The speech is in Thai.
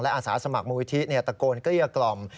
และอาสาสมัครมูลวิธีเนี่ยตะโกนเกลี้ยกล่อม